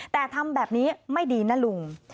แต่ทำแบบนี้ไม่ดีนะลุง